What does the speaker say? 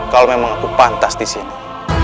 kalau memang aku pantas di sini